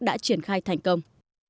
sẽ triển khai thành công